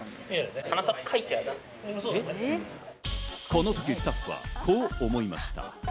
このときスタッフはこう思いました。